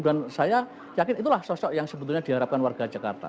dan saya yakin itulah sosok yang sebetulnya diharapkan warga jakarta